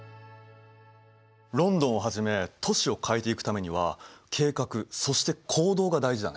ロンドンをはじめ都市を変えていくためには計画そして行動が大事だね。